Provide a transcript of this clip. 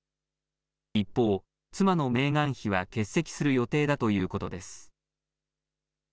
一方、妻のメーガン妃は欠席する予定だということです。